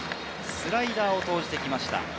スライダーを投じてきました。